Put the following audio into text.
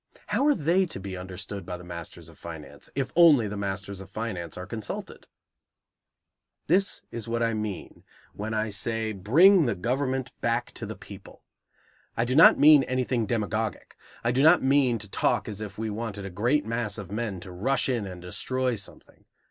How are they to be understood by the masters of finance, if only the masters of finance are consulted? That is what I mean when I say, "Bring the government back to the people." I do not mean anything demagogic; I do not mean to talk as if we wanted a great mass of men to rush in and destroy something.